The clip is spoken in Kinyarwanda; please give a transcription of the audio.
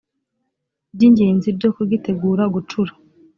by ingenzi byo kugitegura gucura